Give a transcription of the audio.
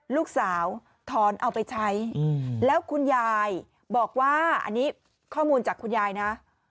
ลูกสาวถอนเอาไปใช้แล้วคุณยายบอกว่าอันนี้ข้อมูลจากคุณยายนะ